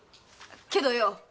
けどよ。